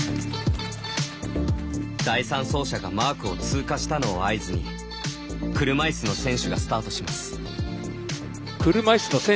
第３走者がマークを通過したのを合図に車いすの選手がスタートします。